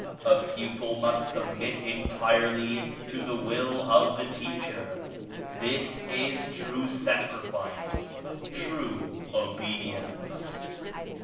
A pupil must submit entirely to the will of the teacher. This is true Sacri fice — true Obedience."